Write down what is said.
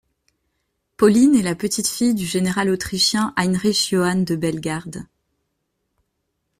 Pauline est la petite-fille du général autrichien Heinrich Johann de Bellegarde.